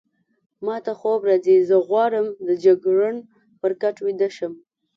ما ته خوب راځي، زه غواړم د جګړن پر کټ ویده شم.